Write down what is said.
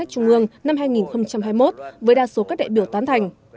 việc phân bổ ngân sách trung ương năm hai nghìn hai mươi một với đa số các đại biểu tán thành